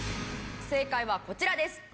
正解はこちらです。